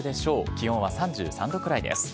気温は３３度くらいです。